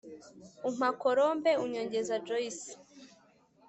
umpa " colombe " unyongeza " joyce "